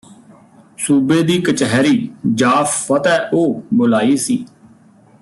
ਸੂਬੇ ਦੀ ਕਚਹਿਰੀ ਜਾ ਫ਼ਤਹਿ ਉਹ ਬੁਲਾਈ ਸੀ